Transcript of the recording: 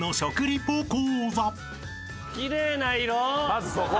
まずそこ。